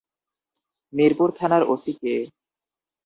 মিরপুর থানার ওসি কে?